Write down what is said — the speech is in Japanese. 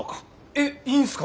えっいいんすか？